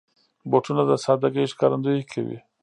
بوټونه د سادګۍ ښکارندويي کوي.